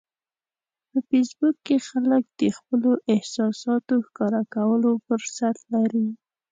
په فېسبوک کې خلک د خپلو احساساتو ښکاره کولو فرصت لري